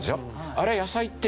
あれ野菜って